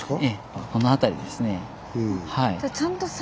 ええこの辺りですね。